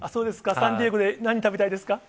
サンディエゴで何食べたいですか？